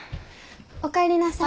おかえりなさい。